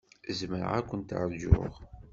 Zemreɣ ad kent-ṛjuɣ.